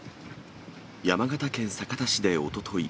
山形県酒田市でおととい、